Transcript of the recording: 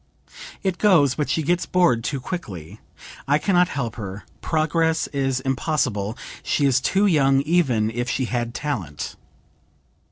It goes, but she gets bored too quickly. I can not help her; progress is impossible, she is too young even if she had talent.